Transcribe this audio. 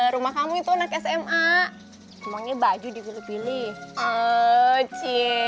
rumah kamu itu anak sma emangnya baju dipilih pilih